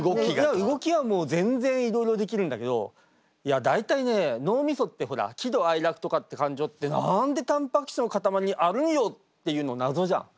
動きはもう全然いろいろできるんだけどいや大体ね脳みそってほら喜怒哀楽とかって感情って何でたんぱく質の塊にあるんよっていうの謎じゃん。